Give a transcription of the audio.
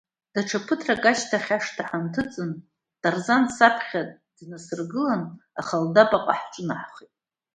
Даҽа ԥыҭрак ашьҭахь ашҭа ҳанҭыҵын, Тарзан саԥхьа днасыргыланы Ахалдабаҟа ҳҿынаҳхеит.